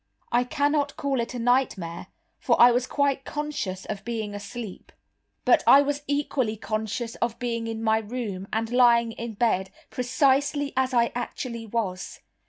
I cannot call it a nightmare, for I was quite conscious of being asleep. But I was equally conscious of being in my room, and lying in bed, precisely as I actually was.